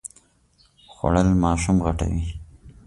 خوړل ماشوم غټوي